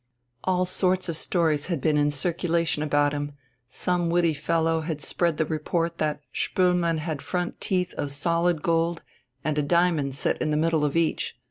All sorts of stories had been in circulation about him; some witty fellow had spread the report that Spoelmann had front teeth of solid gold and a diamond set in the middle of each.